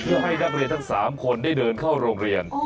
เพื่อให้นักเรียนทั้ง๓คนได้เดินเข้าโรงเรียน